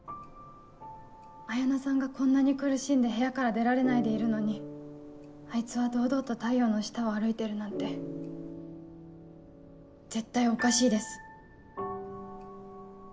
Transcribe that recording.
彩菜さんがこんなに苦しんで部屋から出られないでいるのにあいつは堂々と太陽の下を歩いてるなんて絶対おかしいです。